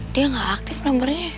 dia gak aktif nomernya